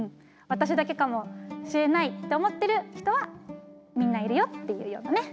私だけかもしれないって思ってる人はみんないるよっていうようなね